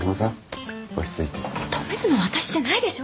止めるのは私じゃないでしょ！